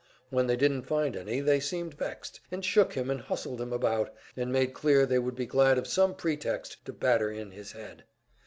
When they didn't find any, they seemed vexed, and shook him and hustled him about, and made clear they would be glad of some pretext to batter in his head.